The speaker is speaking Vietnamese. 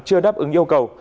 chưa đáp ứng yêu cầu